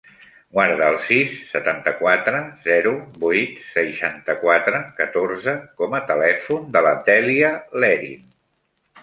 Guarda el sis, setanta-quatre, zero, vuit, seixanta-quatre, catorze com a telèfon de la Dèlia Lerin.